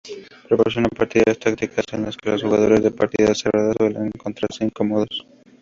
Proporciona partidas tácticas en las que los jugadores de partidas cerradas suelen encontrarse incómodos.